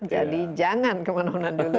jadi jangan ke mana mana dulu